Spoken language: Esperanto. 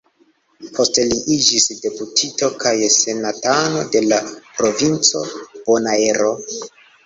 Poste li iĝis deputito kaj senatano de la provinco Bonaero.